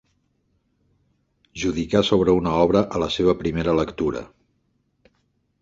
Judicar sobre una obra a la seva primera lectura.